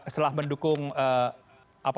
setelah mendukung jokowi